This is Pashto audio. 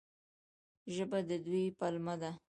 ژبه د دوی پلمه ده.